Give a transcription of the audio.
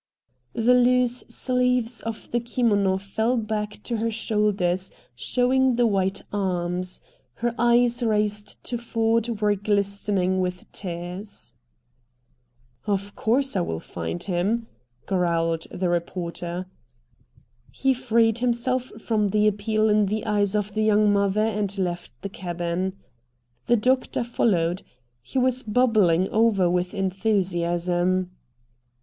The loose sleeves of the kimono fell back to her shoulders showing the white arms; the eyes raised to Ford were glistening with tears. "Of course I will find him," growled the reporter. He freed himself from the appeal in the eyes of the young mother and left the cabin. The doctor followed. He was bubbling over with enthusiasm.